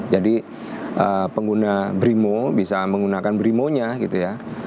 jadi pengguna brimu bisa menggunakan brimu nya gitu ya